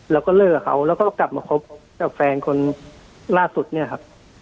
แล้วก็เลิกกับเขาแล้วก็กลับมาคบกับแฟนคนล่าสุดเนี่ยครับ